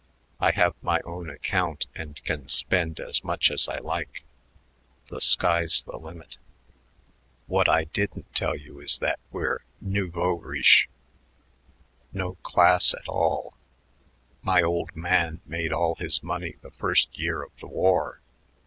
I have my own account and can spend as much as I like. The sky's the limit. What I didn't tell you is that we're nouveau riche no class at all. My old man made all his money the first year of the war.